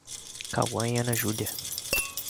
Cauã e Ana Julia